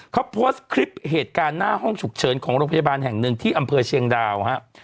เขาโพสต์คลิปเหตุการณ์หน้าห้องฉุกเฉินของโรงพยาบาลแห่งหนึ่งที่อำเภอเชียงดาวฮะ